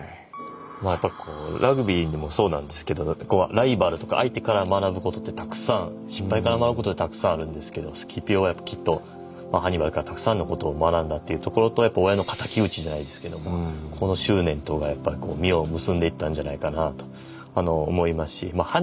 まあやっぱりこうラグビーでもそうなんですけどライバルとか相手から学ぶことってたくさん失敗から学ぶことってたくさんあるんですけどスキピオはきっとハンニバルからたくさんのことを学んだというところと親のかたき討ちじゃないですけどもこの執念とがやっぱり実を結んでいったんじゃないかなと思いますしま